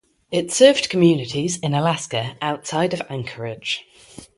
It served communities in Alaska outside of Anchorage.